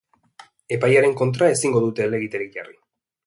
Epaiaren kontra ezingo dute helegiterik jarri.